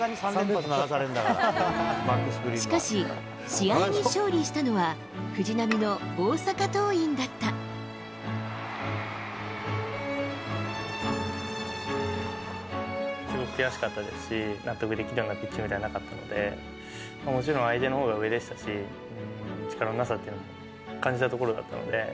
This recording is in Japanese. しかし、試合に勝利したのは、すごい悔しかったですし、納得できるようなピッチングではなかったので、もちろん、相手のほうが上でしたし、力のなさっていうのも感じたところがあったので。